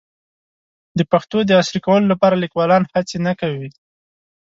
د پښتو د عصري کولو لپاره لیکوالان هڅې نه کوي.